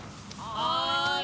はい。